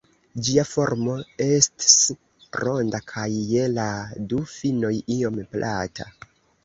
Ĝia formo ests ronda kaj je la du finoj iom plata.